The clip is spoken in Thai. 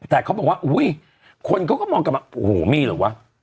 แต่เขาบอกว่าอุ้ยคนเขาก็มองกันว่าโอ้โหมีเหรอวะ